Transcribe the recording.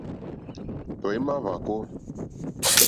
Tɔ̀ímá hvàkó.